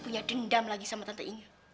aku punya dendam lagi sama tante inge